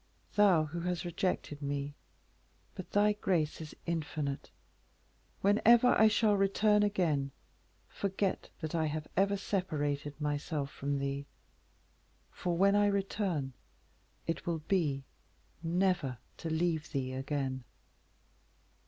thou, who has rejected me; but thy grace is infinite. Whenever I shall again return, forget that I have ever separated myself from thee, for, when I return it will be never to leave thee again."